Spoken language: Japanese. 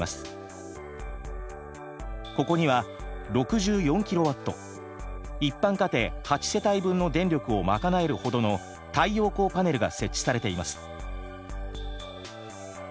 ここには６４ｋＷ一般家庭８世帯分の電力をまかなえるほどの太陽光パネルが設置されています。